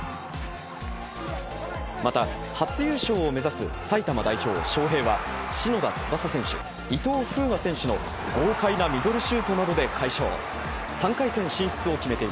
また、初優勝を目指す埼玉代表、昌平は、篠田翼選手、伊藤風河選手の豪快なミドルシュートなどで快勝。